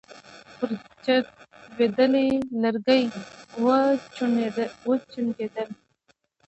پر چت لوېدلي لرګي وچونګېدل.